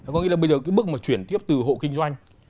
tôi nghĩ là bây giờ cái bước mà chuyển tiếp từ hộ kinh doanh